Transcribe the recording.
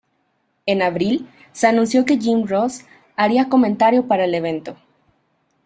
En abril, se anunció que Jim Ross haría comentario para el evento.